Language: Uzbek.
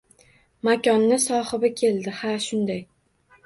Makonni sohibi keldi, ha shunday.